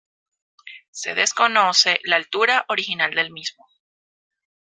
Se desconoce la altura original del mismo.